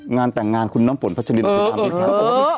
งานแต่งงานคุณน้องฝนฟัชรินคุณธรรมนี้ครับ